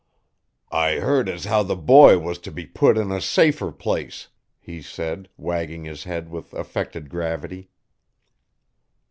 "I heard as how the boy was to be put in a safer place," he said, wagging his head with affected gravity.